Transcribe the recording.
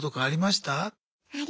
ありました。